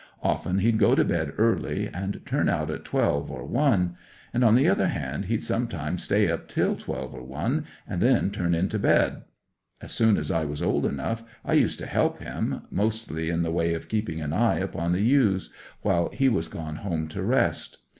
Often he'd go to bed early, and turn out at twelve or one; and on the other hand, he'd sometimes stay up till twelve or one, and then turn in to bed. As soon as I was old enough I used to help him, mostly in the way of keeping an eye upon the ewes while he was gone home to rest.